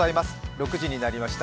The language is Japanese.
６時になりました。